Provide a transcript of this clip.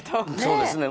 そうですね。